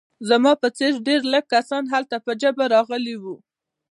زما په څېر ډېر لږ کسان هلته په جبر راغلي وو